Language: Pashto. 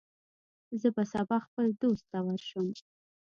زه به سبا خپل دوست ته ورشم.